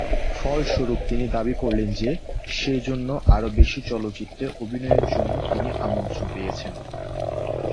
ফলস্বরূপ, তিনি দাবী করেন যে, সে জন্য আরো বেশি চলচ্চিত্রে অভিনয়ের জন্য তিনি আমন্ত্রণ পেয়েছেন।